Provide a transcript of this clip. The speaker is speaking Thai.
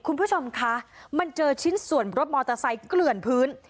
คุณผู้ชมคะมันเจอชิ้นส่วนรถมอเตอร์ไซค์เกลื่อนพื้น